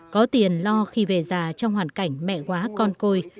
có tiền lo khi về già trong hoàn cảnh mẹ quá con côi